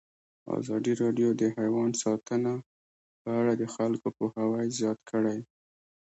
ازادي راډیو د حیوان ساتنه په اړه د خلکو پوهاوی زیات کړی.